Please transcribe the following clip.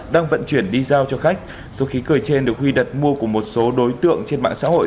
đang vận chuyển đi giao cho khách số khí cười trên được huy đặt mua của một số đối tượng trên mạng xã hội